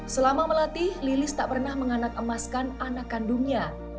selama melatih lilis tak pernah menganak emaskan anak kandungnya